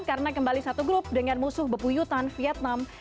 karena kembali satu grup dengan musuh bepuyutan vietnam